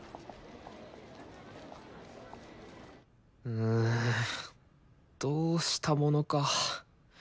うんどうしたものか。